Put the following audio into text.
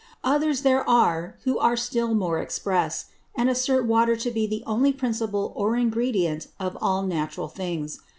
_ Others there are who are still more express; and assert Water to be the only Principle or Ingredient of all Natural Things.